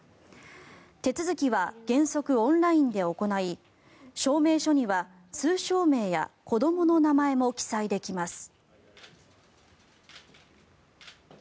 手続きは原則オンラインで行い証明書には通称名や子どもの名前も記載できます。